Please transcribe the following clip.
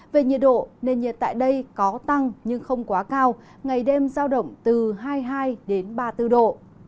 về nhiệt độ nền nhiệt tại đây có tăng nhưng không quá cao ngày đêm giao động từ hai mươi hai đến ba mươi bốn độ